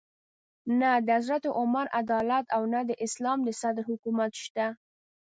نه د حضرت عمر عدالت او نه د اسلام د صدر حکومت شته.